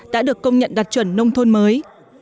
đã được công nhận đạt chuẩn nông thôn mới